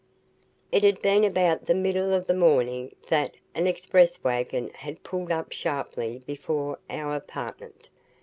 ........ It had been about the middle of the morning that an express wagon had pulled up sharply before our apartment.